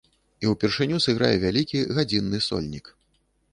І ўпершыню сыграе вялікі гадзінны сольнік.